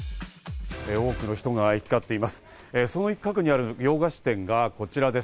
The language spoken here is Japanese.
多くの人が行きかっています。